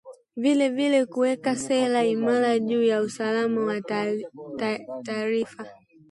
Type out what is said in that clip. vilevile kuweka sera imara juu ya usalama wa taarifa